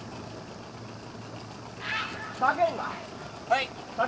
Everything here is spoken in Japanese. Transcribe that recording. はい？